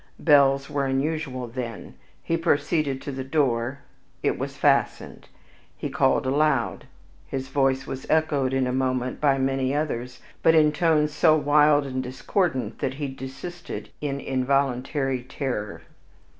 Bells were unusual then. He proceeded to the door, it was fastened. He called aloud, his voice was echoed in a moment by many others, but in tones so wild and discordant, that he desisted in involuntary terror.